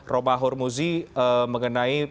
robah hurmuzi mengenai